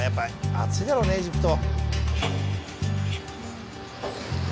暑いだろうねエジプト。